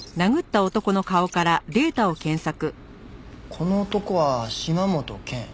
この男は島本健。